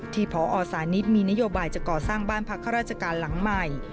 พอสานิทมีนโยบายจะก่อสร้างบ้านพักข้าราชการหลังใหม่